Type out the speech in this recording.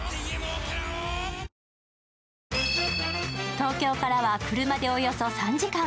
東京からは車でおよそ３時間。